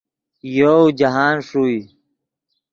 یوؤ جاہند ݰوئے